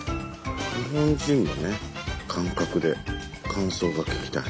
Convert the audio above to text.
日本人のね感覚で感想が聞きたい。